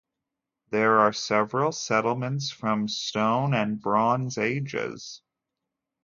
There are several settlements from Stone and Bronze Ages.